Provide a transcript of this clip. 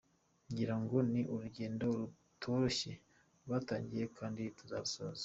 Ngira ngo ni urugendo rutoroshye twatangiye kandi tuzarusoza.